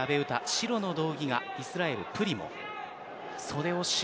白の道着がイスラエル、プリモです。